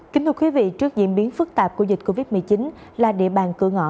kính thưa quý vị trước diễn biến phức tạp của dịch covid một mươi chín là địa bàn cửa ngõ